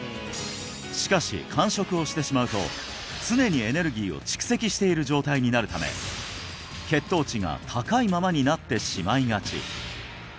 しかし間食をしてしまうと常にエネルギーを蓄積している状態になるため血糖値が高いままになってしまいがち